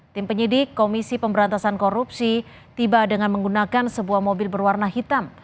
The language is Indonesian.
tim penyidik komisi pemberantasan korupsi tiba dengan menggunakan sebuah mobil berwarna hitam